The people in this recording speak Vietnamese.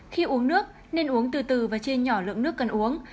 khi uống nước nên uống từ từ và trên nhỏ lượng nước cần uống